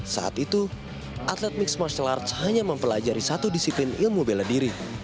saat itu atlet mixed martial arts hanya mempelajari satu disiplin ilmu bela diri